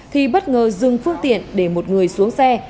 thì bất ngờ dừng phương tiện để một người xuống xe